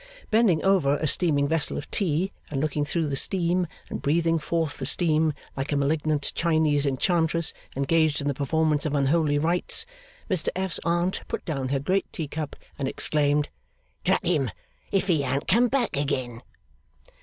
Bending over a steaming vessel of tea, and looking through the steam, and breathing forth the steam, like a malignant Chinese enchantress engaged in the performance of unholy rites, Mr F.'s Aunt put down her great teacup and exclaimed, 'Drat him, if he an't come back again!